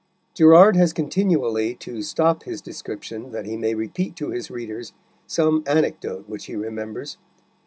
Gerard has continually to stop his description that he may repeat to his readers some anecdote which he remembers.